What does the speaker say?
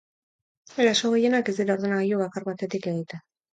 Eraso gehienak ez dira ordenagailu bakar batetik egiten.